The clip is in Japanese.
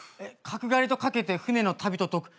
角刈りと掛けて船の旅と解く